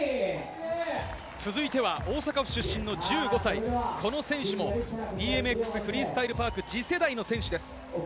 続いては大阪府出身の１５歳、この選手もＢＭＸフリースタイル・パーク、次世代の選手です。